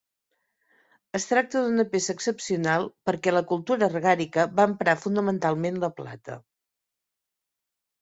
Es tracta d'una peça excepcional, perquè la cultura argàrica va emprar fonamentalment la plata.